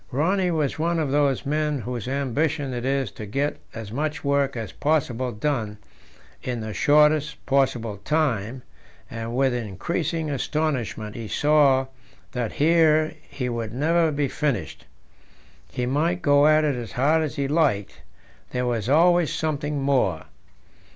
Rönne was one of those men whose ambition it is to get as much work as possible done in the shortest possible time, and with increasing astonishment he saw that here he would never be finished; he might go at it as hard as he liked there was always something more.